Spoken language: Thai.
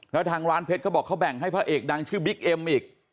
แล้วทางร้านเพชรเขาบอกเขาแบ่งให้พระเอกดังชื่อบิ๊กเอ็มอีก